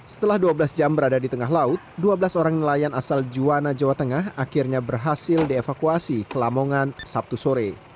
setelah dua belas jam berada di tengah laut dua belas orang nelayan asal juwana jawa tengah akhirnya berhasil dievakuasi ke lamongan sabtu sore